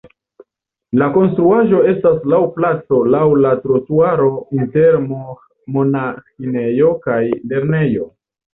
La konstruaĵo situas laŭ placo laŭ la trotuaro inter monaĥinejo kaj lernejo.